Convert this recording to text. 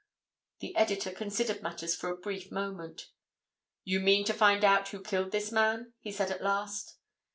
The editor considered matters for a brief moment. "You mean to find out who killed this man?" he said at last.